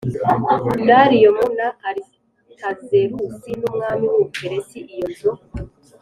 Dariyo m na Aritazerusi n umwami w u Buperesi Iyo nzu